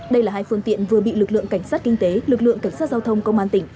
đây là hai phương tiện vừa bị lực lượng cảnh sát kinh tế lực lượng cảnh sát giao thông công an tỉnh